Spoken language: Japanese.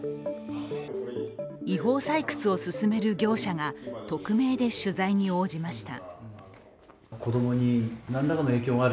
違法採掘を進める業者が匿名で取材に応じました。